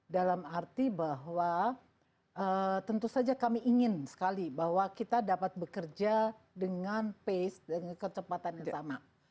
dalam arti bahwa tentu saja kami ingin sekali bahwa kita dapat bekerja dengan pace dengan kecepatan yang sama